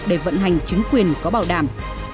để vận hành chứng quyền có bảo đảm